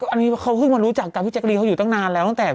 อันนี้เขาเพิ่งมารู้จักกับพี่แจกรีนเขาอยู่ตั้งนานแล้วตั้งแต่